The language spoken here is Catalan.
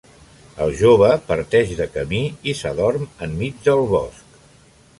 El jove parteix de camí i s'adorm enmig del bosc.